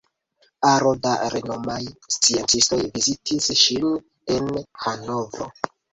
Aro da renomaj sciencistoj vizitis ŝin en Hanovro.